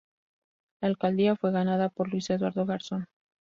La alcaldía fue ganada por Luis Eduardo Garzón.